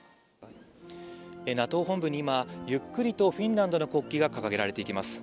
ＮＡＴＯ本部に今ゆっくりとフィンランドの国旗が掲げられていきます。